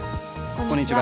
こんにちは。